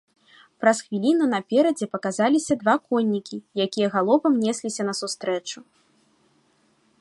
Праз хвіліну наперадзе паказаліся два коннікі, якія галопам несліся насустрэчу.